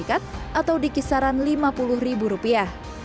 atau di kisaran lima puluh ribu rupiah